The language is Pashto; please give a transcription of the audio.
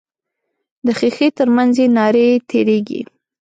د ښیښې تر منځ یې نارې تیریږي.